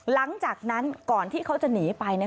หลังจากนั้นก่อนที่เขาจะหนีไป